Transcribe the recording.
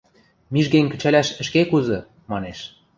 — Мижгем кӹчӓлӓш ӹшке кузы, манеш.